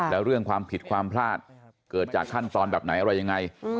แล้วเรื่องความผิดความพลาดเกิดจากขั้นตอนแบบไหนอะไรยังไง